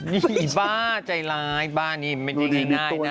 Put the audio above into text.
นี่อีบ้าใจร้ายบ้านนี้ไม่ได้ง่ายนะ